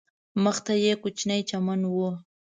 مخ ته یې کوچنی چمن و.